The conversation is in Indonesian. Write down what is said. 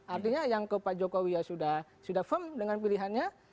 artinya yang ke pak jokowi ya sudah firm dengan pilihannya